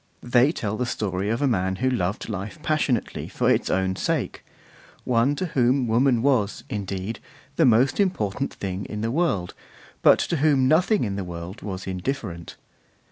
They tell the story of a man who loved life passionately for its own sake: one to whom woman was, indeed, the most important thing in the world, but to whom nothing in the world was indifferent.